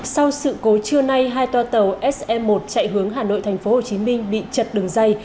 sau sự cố trưa nay hai toa tàu se một chạy hướng hà nội tp hcm bị chật đường dây